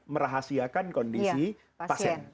merahasiakan kondisi pasien